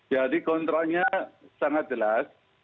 jadi kontraknya sangat jelas